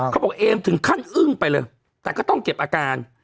เอมถึงขั้นอึ้งไปเลยแต่ก็ต้องเก็บอาการ